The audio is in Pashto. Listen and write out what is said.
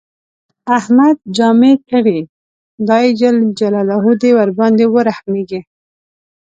احمد جامې کړې، خدای ج دې ورباندې ورحمېږي.